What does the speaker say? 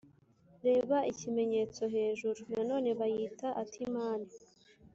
(reba ikimenyetso hejuru.) nanone bayita atimani.